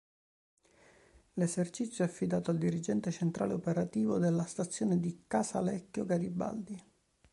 L'esercizio è affidato al Dirigente Centrale Operativo della stazione di Casalecchio Garibaldi.